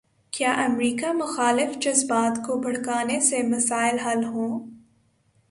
کیا امریکہ مخالف جذبات کو بھڑکانے سے مسائل حل ہوں۔